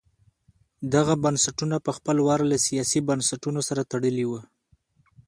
دغه بنسټونه په خپل وار له سیاسي بنسټونو سره تړلي وو.